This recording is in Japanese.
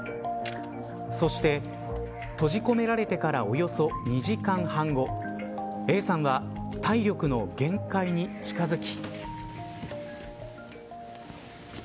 そして、閉じ込められてからおよそ２時間半後Ａさんは体力の限界に近づき。